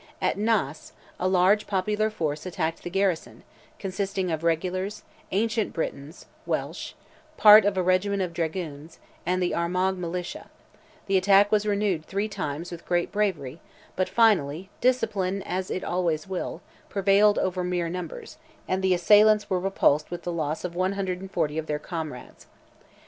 At Naas, a large popular force attacked the garrison, consisting of regulars, Ancient Britons (Welsh), part of a regiment of dragoons, and the Armagh Militia; the attack was renewed three times with great bravery, but finally, discipline, as it always will, prevailed over mere numbers, and the assailants were repulsed with the loss of 140 of their comrades.